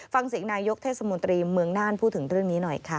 ฟังเสียงนายกเทศมนตรีเมืองน่านพูดถึงเรื่องนี้หน่อยค่ะ